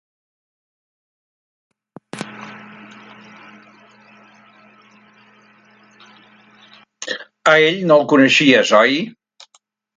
A ell no el coneixies, oi?